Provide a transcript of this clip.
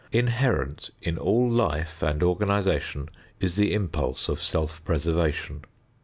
Inherent in all life and organization is the impulse of self preservation.